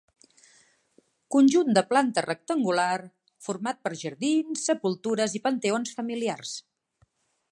Conjunt de planta rectangular format per jardins, sepultures i panteons familiars.